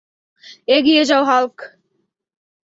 এগিয়ে যাও, হাল্ক!